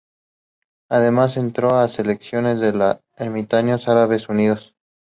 Además entrenó a selecciones, la de Emiratos Árabes Unidos.